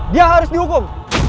dia harus dihukum